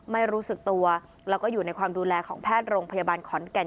ไม่รู้สึกตัวแล้วก็อยู่ในความดูแลของแพทย์โรงพยาบาลขอนแก่น